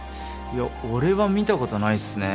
いや俺は見たことないっすね。